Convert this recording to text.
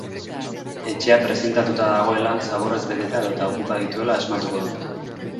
Etxea prezintatuta dagoela, zaborrez beteta edota okupak dituela asmatuko dute.